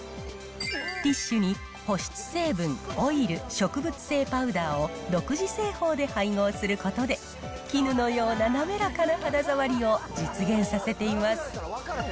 ティッシュに保湿成分、オイル、植物性パウダーを独自製法で配合することで、絹のような滑らかな肌触りを実現させています。